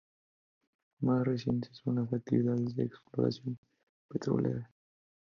Más recientes son las actividades de exploración petrolera.